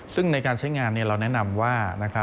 ซึ่งในการใช้งานเราแนะนำว่า